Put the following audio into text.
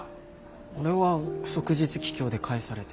俺は即日帰郷で帰されて。